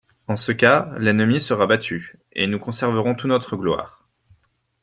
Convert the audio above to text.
»En ce cas, l'ennemi sera battu, et nous conserverons toute notre gloire.